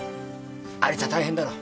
有沙大変だろ？